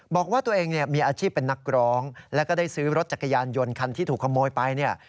บอกว่าตัวเองเนี่ยมีอาชีพเป็นนักร้องแล้วก็ได้ซื้อรถจักรยานยนต์คันที่ถูกขโมยไปเนี่ย